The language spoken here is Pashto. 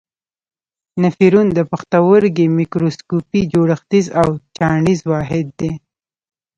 نفرون د پښتورګي میکروسکوپي جوړښتیز او چاڼیز واحد دی.